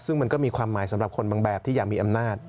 ซึ่งมันก็มีความหมายสำหรับคนบางแบบที่อยากมีอำนาจ